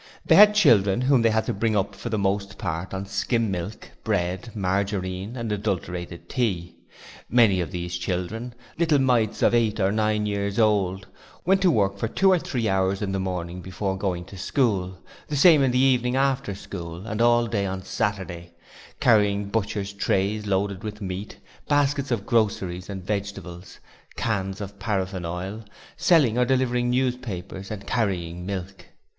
They had children whom they had to bring up for the most part on 'skim' milk, bread, margarine, and adulterated tea. Many of these children little mites of eight or nine years went to work for two or three hours in the morning before going to school; the same in the evening after school, and all day on Saturday, carrying butchers' trays loaded with meat, baskets of groceries and vegetables, cans of paraffin oil, selling or delivering newspapers, and carrying milk.